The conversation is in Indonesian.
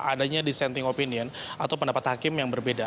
adanya dissenting opinion atau pendapat hakim yang berbeda